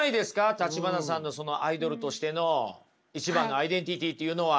橘さんのアイドルとしての一番のアイデンティティーっていうのは。